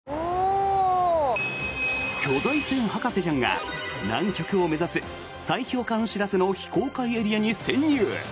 巨大船博士ちゃんが南極を目指す砕氷艦「しらせ」の非公開エリアに潜入！